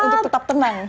untuk tetap tenang